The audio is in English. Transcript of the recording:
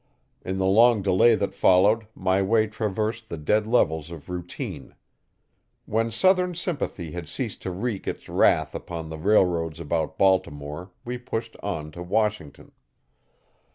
In the long delay that followed, my way traversed the dead levels of routine. When Southern sympathy had ceased to wreak its wrath upon the railroads about Baltimore we pushed on to Washington.